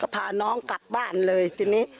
พาน้องกลับบ้านเลยทีนี้